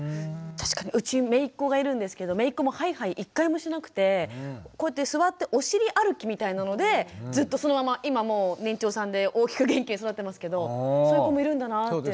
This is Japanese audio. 確かにうちめいっ子がいるんですけどめいっ子もハイハイ１回もしなくてこうやって座ってお尻歩きみたいなのでずっとそのまま今もう年長さんで大きく元気に育ってますけどそういう子もいるんだなぁって。